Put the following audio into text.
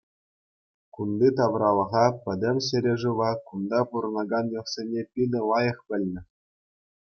Кунти тавралӑха, пӗтӗм ҫӗре-шыва, кунта пурӑнакан йӑхсене питӗ лайӑх пӗлнӗ.